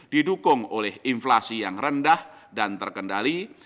didukung oleh inflasi yang rendah dan terkendali